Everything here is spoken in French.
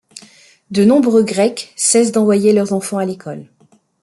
De nombreux Grecs cessent d'envoyer leurs enfants à l'école.